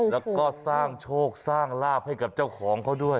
แล้วก็สร้างโชคสร้างลาบให้กับเจ้าของเขาด้วย